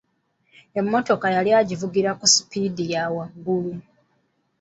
Emmotoka yali agivugira ku sipiidi ya waggulu.